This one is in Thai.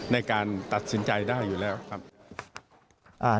ในการตัดสินใจได้อยู่แล้วครับ